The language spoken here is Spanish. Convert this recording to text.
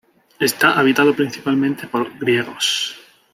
Está habitado principalmente por griegos.